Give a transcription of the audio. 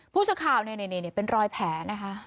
ผู้สาขาวในนี้เป็นรอยแผลนะคะ